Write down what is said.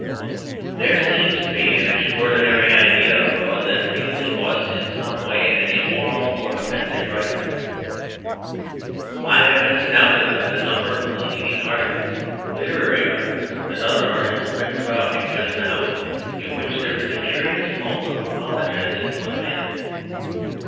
There seems to be an extraordinary idea abroad that Fielding was in some way an immoral or offensive writer. I have been astounded by the number of the leading articles, literary articles, and other articles written about him just now in which there is a curious tone of apologising for the man.